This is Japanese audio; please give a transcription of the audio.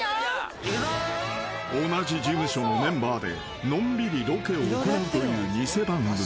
［同じ事務所のメンバーでのんびりロケを行うという偽番組］